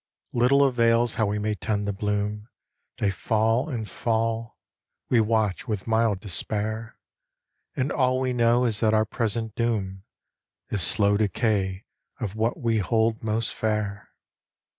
Little avails how we may tend the bloom, They fall and fall ; we watch with mild despair ; And all we know is that our present doom Is slow decay of what we hold most fair.